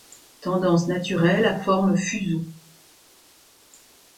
Tendance naturelle à la forme fuseau.